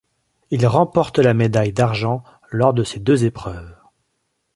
Il remporte la médaille d'argent lors de ces deux épreuves.